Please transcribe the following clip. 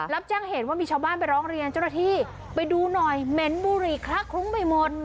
รับแจ้งเหตุว่ามีชาวบ้านไปร้องเรียนเจ้าหน้าที่ไปดูหน่อยเหม็นบุหรี่คละคลุ้งไปหมด